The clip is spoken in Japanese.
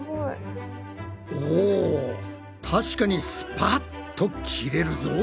お確かにスパッと切れるぞ！